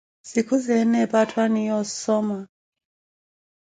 Sikhuzeene epi atthu aniiya osoma.